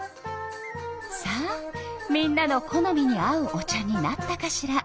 さあみんなの好みに合うお茶になったかしら？